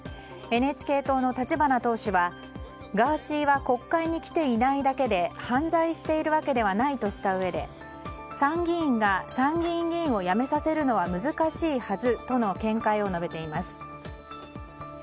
ＮＨＫ党の立花党首はガーシーは国会に来ていないだけで犯罪しているわけではないとしたうえで参議院が参議院議員を辞めさせるのは難しいはずとの見解を述べています。